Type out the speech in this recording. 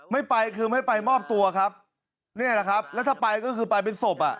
ไม่ไปคือไม่ไปมอบตัวครับนี่แหละครับแล้วถ้าไปก็คือไปเป็นศพอ่ะ